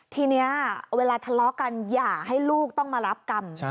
ทีนี้เวลาทะเลาะกันอย่าให้ลูกต้องมารับกรรม